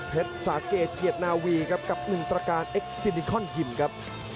สาเกตเกียรตินาวีครับกับหนึ่งตรการเอ็กซินิคอนยิมครับ